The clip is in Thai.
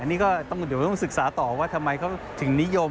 เดี๋ยวต้องศึกษาต่อว่าทำไมเขาถึงนิยม